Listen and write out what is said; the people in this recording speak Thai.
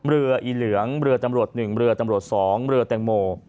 อีเหลืองเรือตำรวจ๑เรือตำรวจ๒เรือแตงโม